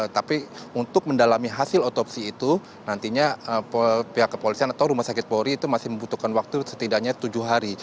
tapi untuk mendalami hasil otopsi itu nantinya pihak kepolisian atau rumah sakit polri itu masih membutuhkan waktu setidaknya tujuh hari